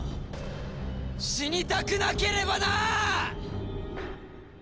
死にたくなければなあ！